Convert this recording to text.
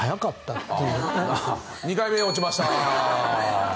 ２回目落ちました。